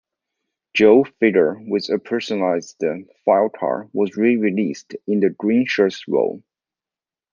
Joe figure with a personalized Filecard, was re-released in the Greenshirts' role.